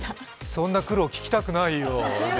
そんな苦労、聞きたくないよ、梅ちゃん。